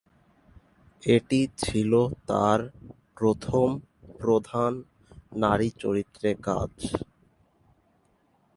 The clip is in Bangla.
এটি ছিল তার প্রথম প্রধান নারী চরিত্রে কাজ।